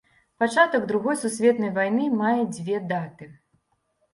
Пачатак другой сусветнай вайны мае дзве даты.